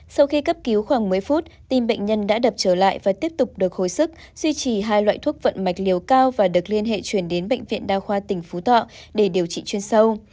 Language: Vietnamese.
sau khi cấp cứu khoảng một mươi phút tim bệnh nhân đã đập trở lại và tiếp tục được hồi sức duy trì hai loại thuốc vận mạch liều cao và được liên hệ chuyển đến bệnh viện đa khoa tỉnh phú thọ để điều trị chuyên sâu